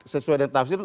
sesuai dengan tafsir